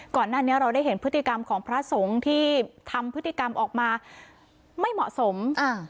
ก่อนหน้านี้เราได้เห็นพฤติกรรมของพระสงฆ์ที่ทำพฤติกรรมออกมาไม่เหมาะสมอ่า